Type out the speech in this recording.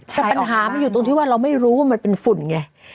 แต่ปัญหามันอยู่ตรงที่ว่าเราไม่รู้ว่ามันเป็นฝุ่นไง